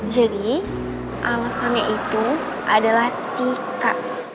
jadi alesannya itu adalah tika